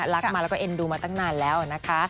รักมาแล้วก็เอ็นดูมาตั้งนานแล้วนะคะ